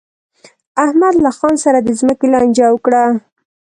احمد له خان سره د ځمکې لانجه وکړه.